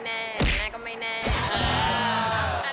เรื่องไม่ตาย